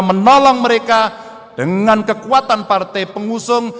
menolong mereka dengan kekuatan partai pengusung